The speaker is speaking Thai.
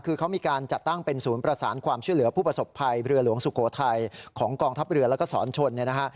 คือเขามีการจัดตั้งเป็นศูนย์ประสานความช่วยเหลือผู้ประสบภัยเรือหลวงสุโขทัยของกองทัพเรือแล้วก็สอนชนเนี่ยนะฮะ